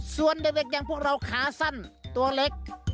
ส่วนเด็กอย่างพวกเราขาสั้นตัวเล็ก